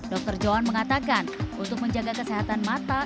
dr johan mengatakan untuk menjaga kesehatan mata